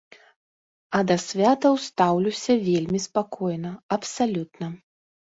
А да святаў стаўлюся вельмі спакойна, абсалютна.